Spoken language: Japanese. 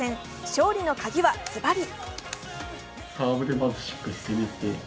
勝利のカギはズバリ！！